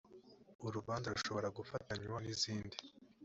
urubanza rushobora gufatanywa n’izindi